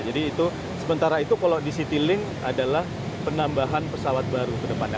jadi itu sementara itu kalau di citylink adalah penambahan pesawat baru kedepannya